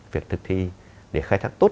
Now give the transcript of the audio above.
việc thực thi để khai thác tốt